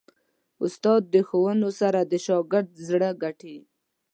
استاد د ښوونو سره د شاګرد زړه ګټي.